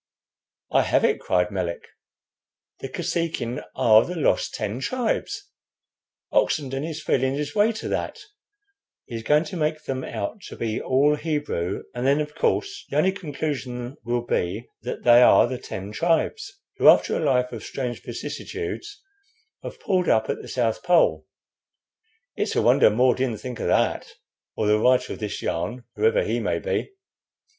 "I have it!" cried Melick. "The Kosekin are the lost Ten Tribes. Oxenden is feeling his way to that. He is going to make them out to be all Hebrew; and then, of course, the only conclusion will be that they are the Ten Tribes, who after a life of strange vicissitudes have pulled up at the South Pole. It's a wonder More didn't think of that or the writer of this yarn, whoever he may be.